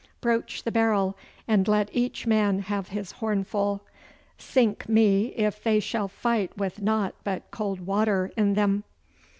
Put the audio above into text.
Broach the barrel, and let each man have his horn full. Sink me, if they shall fight with nought but cold water in them.